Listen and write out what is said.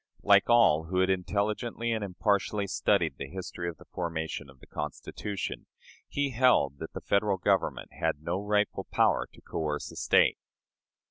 Like all who had intelligently and impartially studied the history of the formation of the Constitution, he held that the Federal Government had no rightful power to coerce a State.